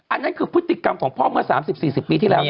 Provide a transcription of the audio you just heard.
อันนั้นคือพฤติกรรมของพ่อเมื่อ๓๐๔๐ปีที่แล้ว